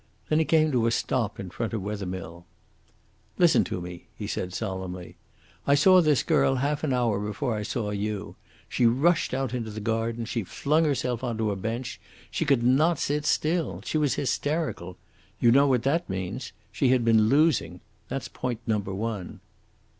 Then he came to a stop in front of Wethermill. "Listen to me," he said solemnly. "I saw this girl half an hour before I saw you. She rushed out into the garden. She flung herself on to a bench. She could not sit still. She was hysterical. You know what that means. She had been losing. That's point number one."